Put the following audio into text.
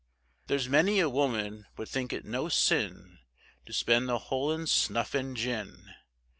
There's many a woman would think it no sin, To spend the whole in snuff and gin!